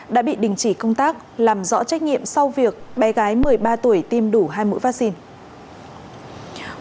đã bị đình chỉ công tác làm rõ trách nhiệm sau việc bé gái một mươi ba tuổi tiêm đủ hai mũi vaccine